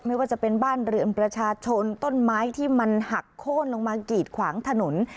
ไม่ว่าจะเป็นบ้านเรือนประชาชนต้นไม้ที่มันหักโค้นลงมากีดขวางถนน